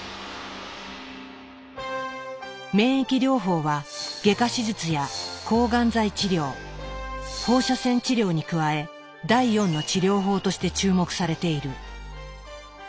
免疫療法は外科手術や抗がん剤治療放射線治療に加え第４の治療法として注目されている。